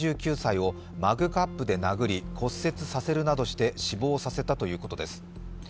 ８９歳をマグカップで殴り、骨折させるなどして死亡させたということです。